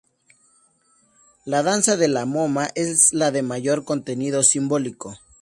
La Danza de la Moma es la de mayor contenido simbólico.